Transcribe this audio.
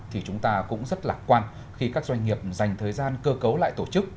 thì chúng ta cũng rất lạc quan khi các doanh nghiệp dành thời gian cơ cấu lại tổ chức